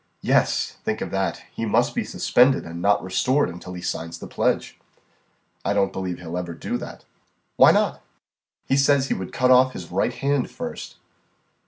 "Yes think of that. He must be suspended, and not restored until he signs the pledge." "I don't believe he'll ever do that." "Why not?" "He says he would cut off his right hand first."